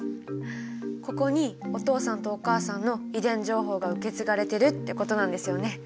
ここにお父さんとお母さんの遺伝情報が受け継がれてるってことなんですよね。